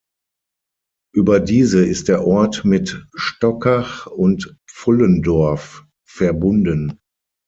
Über diese ist der Ort mit Stockach und Pfullendorf verbunden.